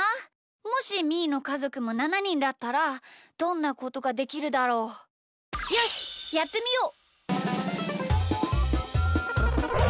もしみーのかぞくも７にんだったらどんなことができるだろう？よしやってみよう！